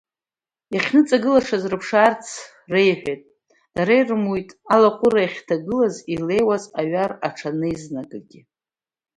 Иахьныҵагылашаз рԥшаарц реиҳәеит, дара ирымуит, алаҟәыра иахьҭагылаз илеиуаз аҩар аҽанеизнагагьы.